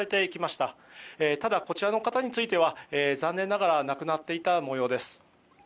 ただ、こちらの方については残念ながら亡くなっていた模様です。